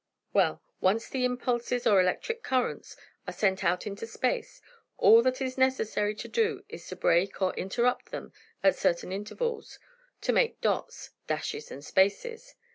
"Well, once the impulses, or electric currents, are sent out into space, all that is necessary to do is to break, or interrupt them at certain intervals, to make dots, dashes and spaces.